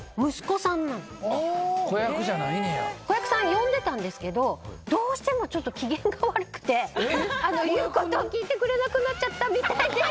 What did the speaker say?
子役さん呼んでたんですけどどうしてもちょっと機嫌が悪くて言うことを聞いてくれなくなっちゃったみたいで。